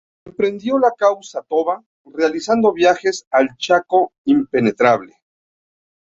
Emprendió la causa Toba, realizando viajes al Chaco Impenetrable.